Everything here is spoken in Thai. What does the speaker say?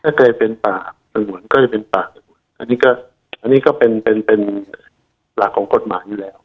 ถ้าเคยเป็นป่าสังหวันก็จะเป็นป่าสังหวันอันนี้ก็เป็นหลักของกฎหมายอยู่แล้ว